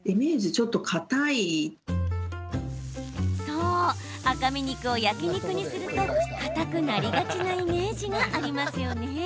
そう、赤身肉を焼き肉にするとかたくなりがちなイメージがありますよね。